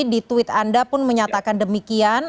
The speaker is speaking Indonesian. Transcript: di tweet anda pun menyatakan demikian